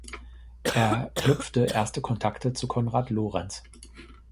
Er knüpfte erste Kontakte zu Konrad Lorenz.